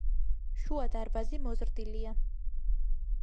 შუა დარბაზი მოზრდილია.